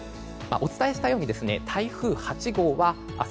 お伝えしたように台風８号は明日